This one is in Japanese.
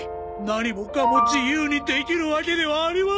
何もかも自由にできるわけではありません。